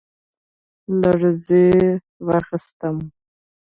لـړزې واخيسـتم ،